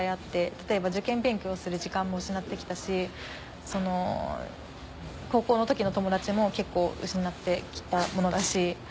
例えば受験勉強をする時間も失って来たし高校の時の友達も結構失って来たものだし。